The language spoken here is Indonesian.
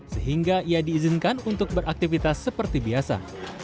sehingga ia diizinkan untuk beraktivitas seperti biasa